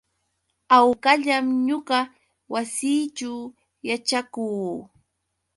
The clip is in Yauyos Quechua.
Hawkallam ñuqa wasiićhu yaćhakuu.